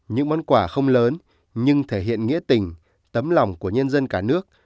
những món quà không lớn nhưng thể hiện nghĩa tình tấm lòng của nhân dân cả nước